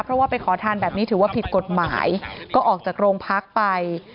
เพราะว่าไปขอทานแบบนี้ถือว่าผิดกฎหมายก็ออกจากโรงพักไป